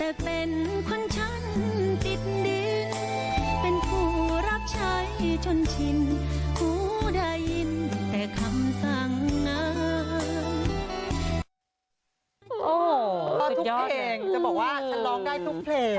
เพราะทุกเพลงจะบอกว่าฉันร้องได้ทุกเพลง